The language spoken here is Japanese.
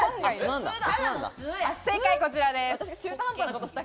正解こちらです。